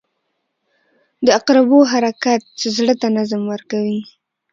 • د عقربو حرکت زړه ته نظم ورکوي.